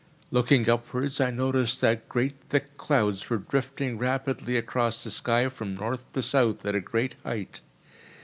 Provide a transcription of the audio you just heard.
Looking upwards I noticed that great thick clouds were drifting rapidly across the sky from North to South at a great height.